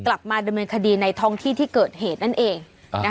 กลับมาดำเนินคดีในท้องที่ที่เกิดเหตุนั่นเอง